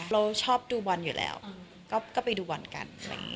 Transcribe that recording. เราชอบดูบอลอยู่แล้วก็ไปดูบอลกัน